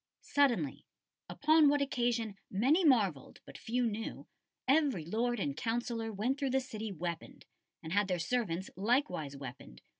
"Suddenly, upon what occasion many marvelled but few knew, every lord and councillor went through the city weaponed, and had their servants likewise weaponed